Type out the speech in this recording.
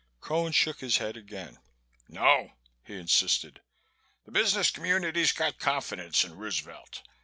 Cone shook his head again. "No," he insisted. "The business community's got confidence in Roosevelt.